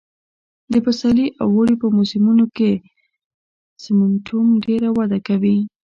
د پسرلي او اوړي په موسمونو کې سېمنټوم ډېره وده کوي